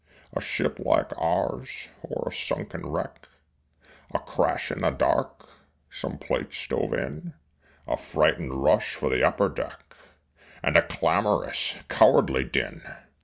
A ship like ours or a sunken wreck A crash in the dark some plates stove in A frightened rush for the upper deck, And a clamorous, cowardly din!